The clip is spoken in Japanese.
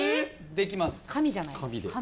できます。